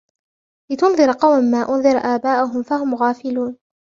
لتنذر قوما ما أنذر آباؤهم فهم غافلون